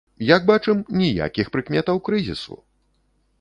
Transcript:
Як бачым, ніякіх прыкметаў крызісу!